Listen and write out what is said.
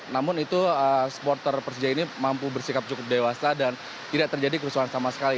namun itu supporter persija ini mampu bersikap cukup dewasa dan tidak terjadi kerusuhan sama sekali